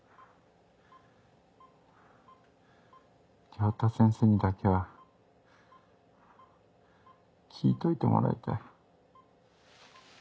良太先生にだけは聞いといてもらいたい。